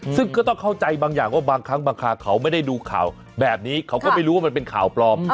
ซึ่งก็ต้องเข้าใจบางอย่างว่าบางครั้งบางคราวเขาไม่ได้ดูข่าวแบบนี้เขาก็ไม่รู้ว่ามันเป็นข่าวปลอม